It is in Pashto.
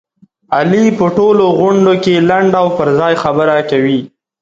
علي په ټولو غونډوکې لنډه او پرځای خبره کوي.